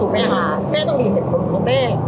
แม่ต้องเห็นคนของแม่